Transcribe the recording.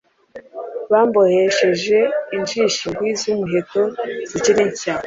bambohesheje injishi ndwi z'umuheto zikiri nshya